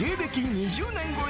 ２０年超え